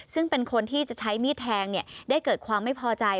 ซึ่งเป็นคนที่จะใช้มีดแทงได้เกิดความไม่พอใจ